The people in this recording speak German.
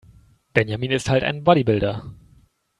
Benjamin ist halt ein Bodybuilder.